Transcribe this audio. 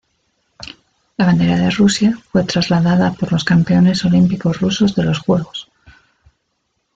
La bandera de Rusia fue trasladada por los campeones olímpicos rusos de los Juegos.